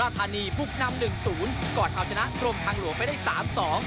ให้สุราภัณฑ์นีบุ๊คนำหนึ่งศูนย์ก่อนเอาชนะร่วมทางหลวงไปได้สามสอง